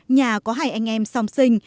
nhà có hai anh em song sinh